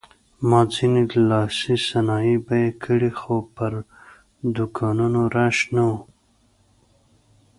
ما ځینې لاسي صنایع بیه کړې خو پر دوکانونو رش نه و.